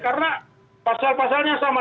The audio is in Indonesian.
karena pasal pasalnya sama